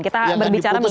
kita berbicara mengenai